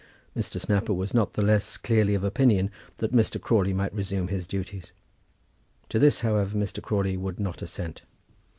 Mr. Snapper was not the less clearly of opinion that Mr. Crawley might resume his duties. To this, however, Mr. Crawley would not assent.